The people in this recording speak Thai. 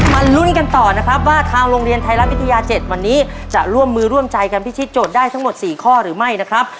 ลุ้นกันต่อนะครับว่าทางโรงเรียนไทยรัฐวิทยา๗วันนี้จะร่วมมือร่วมใจกันพิธีโจทย์ได้ทั้งหมด๔ข้อหรือไม่นะครับ